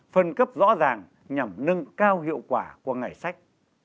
phân cấp rõ ràng nhằm nâng cao hiệu quả của ngày sách